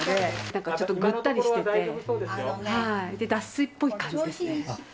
なんかちょっとぐったりしてて、脱水っぽい感じですね。